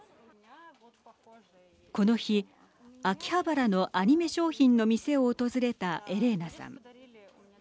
この日、秋葉原のアニメ商品の店を訪れたエレーナさん。